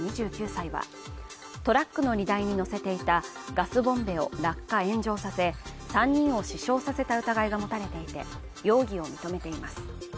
２９歳はトラックの荷台に乗せていたガスボンベを落下炎上させ３人を死傷させた疑いが持たれていて容疑を認めています